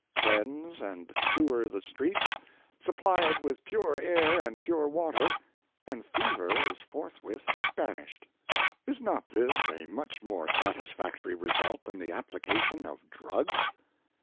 Cleanse and sewer the streets, sup ply it with pure air and pure water, and fever is forth with banished. Is not this a much more satisfactory result than the application of drugs?